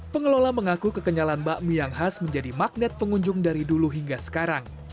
pengelola mengaku kekenyalan bakmi yang khas menjadi magnet pengunjung dari dulu hingga sekarang